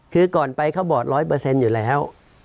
คือก่อนไปเขาบอด๑๐๐อยู่แล้ว